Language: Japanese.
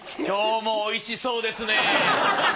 今日もおいしそうですね。